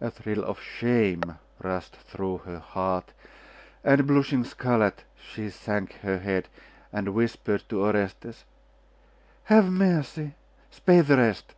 A thrill of shame rushed through her heart, and blushing scarlet, she sank her head, and whispered to Orestes 'Have mercy! spare the rest!